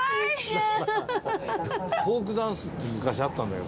フォークダンスって昔あったんだけどさ